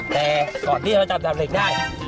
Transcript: แต่ก่อนที่เราจับดาบเหล็กได้